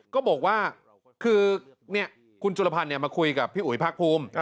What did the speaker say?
ก็บอกว่าคือคุณจุลพันธ์มาคุยกับพี่อุ๋ยภาคภูมิ